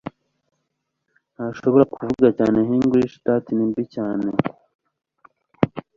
Ntashobora kuvuga cyane Henglish dat ni mbi cyane